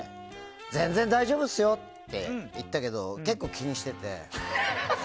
全然大丈夫ですよって言ったけど結構気にしてて。